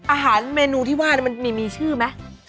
อาหารเมนูที่ว่ามันมีชื่อไหม